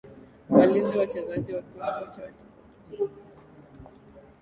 walinzi wachezaji wa kiungo na wachezaji wa mbele au straika